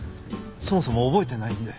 そもそも覚えてないんで。